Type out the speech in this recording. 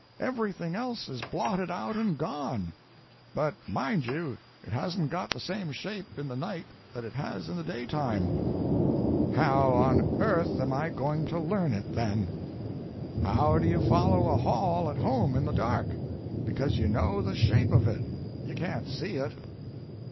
Everything else is blotted out and gone. But mind you, it hasn't got the same shape in the night that it has in the daytime." "How on earth am I going to learn it, then?" "How do you follow a hall at home in the dark? Because you know the shape of it. You can't see it."